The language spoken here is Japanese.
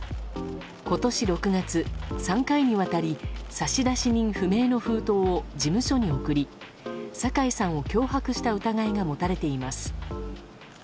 今年６月、３回にわたり差出人不明の封筒を事務所に送り酒井さんを脅迫した疑いが持たれています。